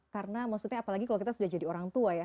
karena maksudnya apalagi kalau kita sudah jadi orang tua ya